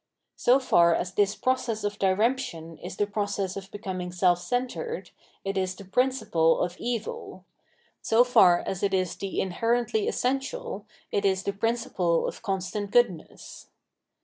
So far as this process of diremption is the process of becoming self centred, it is the principle of evil : so far as it is the inherently essential, it is the principle of constant goodness.